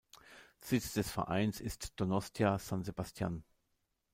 Sitz des Vereins ist Donostia-San Sebastián.